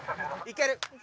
いける！